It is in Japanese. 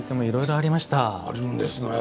あるんですね。